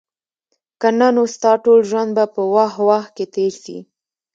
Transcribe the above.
که نه نو ستاسو ټول ژوند به په "واه، واه" کي تیر سي